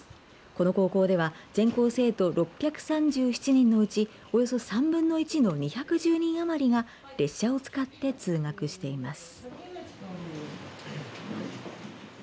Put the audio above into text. この高校では全校生徒６３７人のうちおよそ３分の１の２１０人余りが列車を使って通学しています。